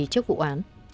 trước vụ án